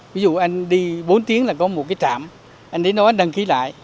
ví dụ anh đi bốn tiếng là có một cái trạm anh đến đó anh đăng ký lại